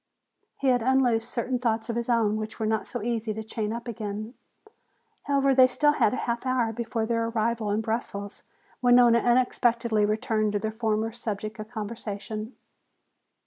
He had unloosed certain thoughts of his own which were not so easy to chain up again. However, they still had a half hour before their arrival in Brussels when Nona unexpectedly returned to their former subject of conversation.